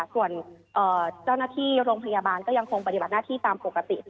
ส่วนเจ้าหน้าที่โรงพยาบาลก็ยังคงปฏิบัติหน้าที่ตามปกติ